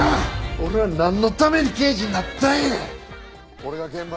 俺はなんのために刑事になったんや！